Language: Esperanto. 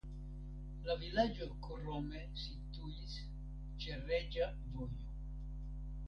La vilaĝo krome situis ĉe Reĝa Vojo.